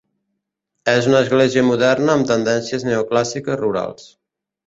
És una església moderna amb tendències neoclàssiques rurals.